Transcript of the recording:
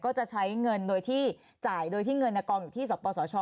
ก็จะใช้เงินโดยที่จ่ายโดยที่เงินกองอยู่ที่สปสช